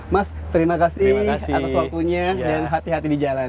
mas terima kasih atas waktunya dan hati hati di jalan